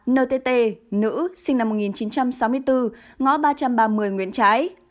ba ntt nữ sinh năm một nghìn chín trăm sáu mươi bốn ngõ ba trăm ba mươi nguyễn trãi